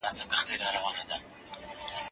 هغه وويل چي سپينکۍ مينځل ضروري دي!.